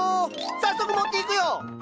早速持っていくよ。